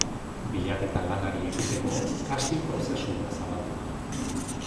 Bilaketa lanari ekiteko, casting prozesua zabaldu da.